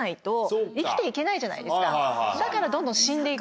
だからどんどん。